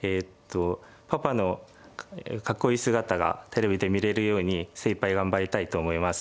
パパのかっこいい姿がテレビで見れるように精いっぱい頑張りたいと思います。